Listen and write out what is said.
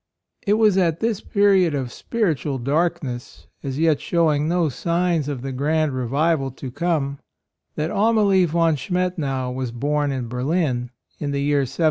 It was at this period of spirit ual darkness, as yet showing no signs of the grand revival to come, that Amalie von Schmet tau was born in Berlin, in the year 1748.